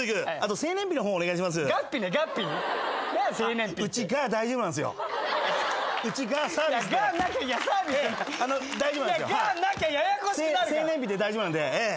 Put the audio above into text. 生年日で大丈夫なんでええ。